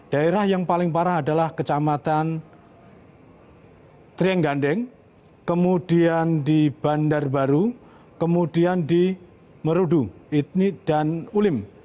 daerah yang paling parah adalah kecamatan trienggandeng kemudian di bandar baru kemudian di merudu itni dan ulim